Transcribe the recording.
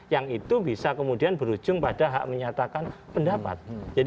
yang itu bisa kemudian berujung pada hak menyatakan pendapat